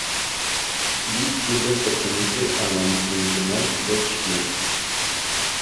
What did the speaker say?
Deep Silver pertenece a la multinacional Koch Media.